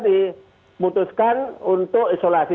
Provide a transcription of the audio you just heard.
diputuskan untuk isolasi